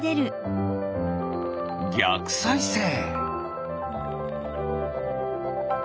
ぎゃくさいせい！